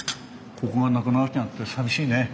ここがなくなっちゃうってさみしいね。